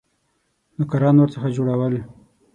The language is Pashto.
نوکران ورڅخه جوړول.